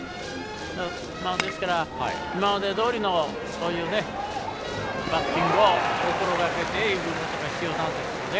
ですから、今までどおりのそういうバッティングを心がけていくことが必要だと思います。